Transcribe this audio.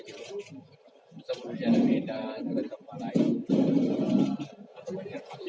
bisa berjalan beda ada tempat lain